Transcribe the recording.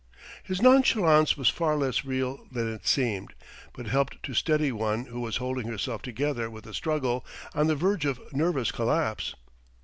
His nonchalance was far less real than it seemed, but helped to steady one who was holding herself together with a struggle, on the verge of nervous collapse.